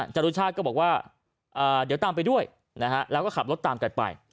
จรุชาติก็บอกว่าเดี๋ยวตามไปด้วยนะฮะแล้วก็ขับรถตามกันไป